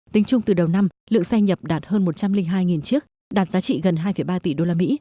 tính chung từ đầu năm lượng xe nhập đạt hơn một trăm linh hai chiếc đạt giá trị gần hai ba tỷ usd